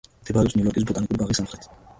მდებარეობს ნიუ-იორკის ბოტანიკური ბაღის სამხრეთით.